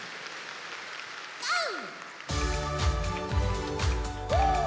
ゴー！